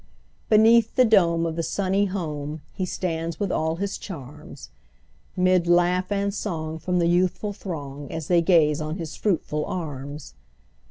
Beneath the dome of the sunny home, He stands with all his charms; 'Mid laugh and song from the youthful throng, As they gaze on his fruitful arms.